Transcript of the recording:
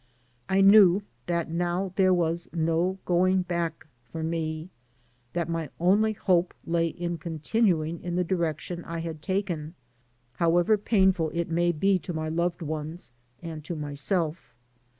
I knew that now there was no going back for me; that my only hope lay in con tinuing in the direction I had taken, however painful it may be to my loved ones and to myself.